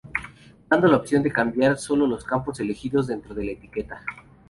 Dando la opción de cambiar sólo los campos elegidos dentro de la etiqueta.